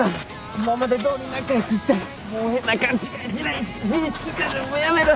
今までどおり仲よくしたいもう変な勘違いしないし自意識過剰もやめる！